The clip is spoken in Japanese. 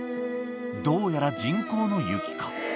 どうやら、人工の雪か。